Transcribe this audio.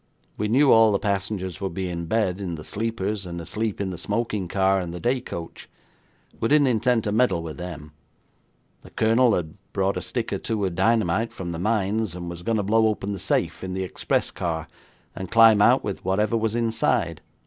We knew all the passengers would be in bed in the sleepers, and asleep in the smoking car and the day coach. We didn't intend to meddle with them. The Colonel had brought a stick or two of dynamite from the mines, and was going to blow open the safe in the express car, and climb out with whatever was inside.